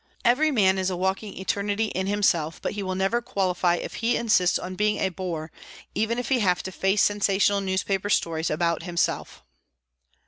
Every man is a walking eternity in himself, but he will never qualify if he insists on being a bore, even if he have to face sensational newspaper stories about himself.